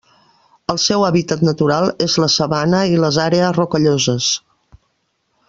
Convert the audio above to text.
El seu hàbitat natural és la sabana i les àrees rocalloses.